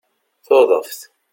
Tuḍeft